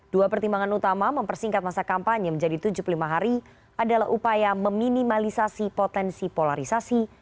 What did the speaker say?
dua pertimbangan utama mempersingkat masa kampanye menjadi tujuh puluh lima hari adalah upaya meminimalisasi potensi polarisasi